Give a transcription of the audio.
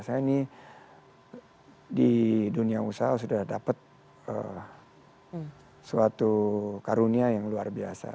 saya ini di dunia usaha sudah dapat suatu karunia yang luar biasa